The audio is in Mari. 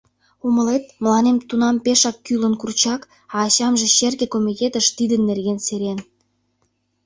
Умылет, мыланем тунам пешак кӱлын курчак, а ачамже черке комитетыш тидын нерген серен.